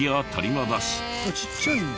ちっちゃいんだ。